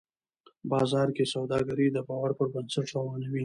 بازار کې سوداګري د باور پر بنسټ روانه وي